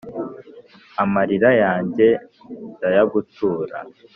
amarira yanjye ndayagutura